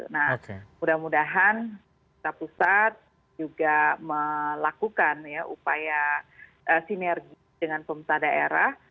nah mudah mudahan pusat juga melakukan upaya sinergi dengan pemerintah daerah